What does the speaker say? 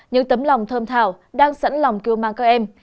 những tấm lòng thơm thảo đang sẵn lòng kêu mang các em